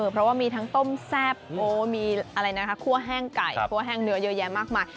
เพราะว่ามีทั้งต้มแซ่บมีอะไรนะคะคั่วแห้งไก่คั่วแห้งเนื้อเยอะแยะมากมาย